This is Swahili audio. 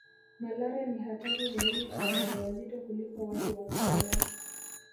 Malaria ni hatari zaidi kwa wajawazito kuliko watu wa kawaida